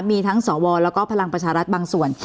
มีทั้งสวแล้วก็พลังประชารัฐบางส่วน